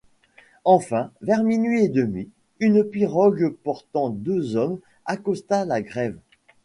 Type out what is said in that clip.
Enfin, vers minuit et demi, une pirogue, portant deux hommes, accosta la grève